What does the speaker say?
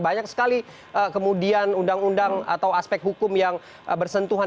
banyak sekali kemudian undang undang atau aspek hukum yang bersentuhan